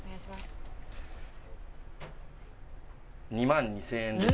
２万２０００円です。